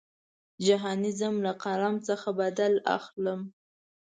جهاني ځم له قلم څخه بدل اخلم.